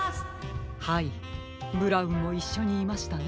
はいブラウンもいっしょにいましたね。